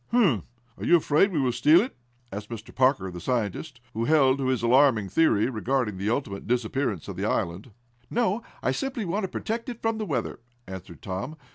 "Humph! Are you afraid we will steal it?" asked Mr. Parker, the scientist, who held to his alarming theory regarding the ultimate disappearance of the island. "No, I simply want to protect it from the weather," answered Tom.